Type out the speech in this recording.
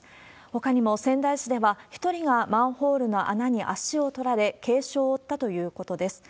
ほかにも仙台市では、１人がマンホールの穴に足を取られ軽症を負ったということです。